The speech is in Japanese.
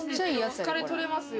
疲れ取れますよ。